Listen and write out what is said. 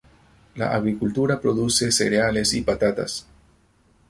La agricultura produce cereales y patatas.